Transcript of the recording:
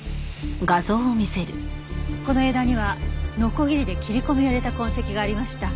この枝にはノコギリで切り込みを入れた痕跡がありました。